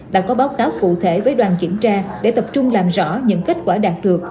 đã có báo cáo cụ thể với đoàn kiểm tra để tập trung làm rõ những kết quả đạt được